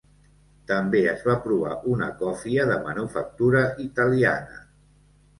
També es va provar una còfia de manufactura italiana.